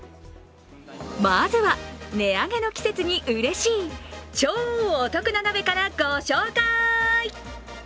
まずは値上げの季節にうれしい、超お得な鍋からご紹介。